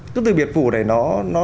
cái từ biệt phủ này nó